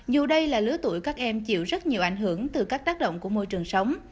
dù đây là lứa tuổi các em chịu rất nhiều ảnh hưởng từ các tác động của môi trường sống